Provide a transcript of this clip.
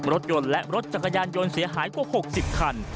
รถยนต์และรถจักรยานยนต์เสียหายกว่า๖๐คัน